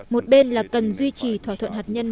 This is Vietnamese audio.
một bên là cần duy trì thỏa thuận hạt nhân